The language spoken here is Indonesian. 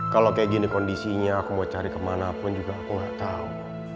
kalau kayak gini kondisinya aku mau cari kemana pun juga aku gak tau